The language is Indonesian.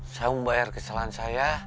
saya mau bayar kesalahan saya